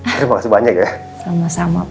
terima kasih banyak ya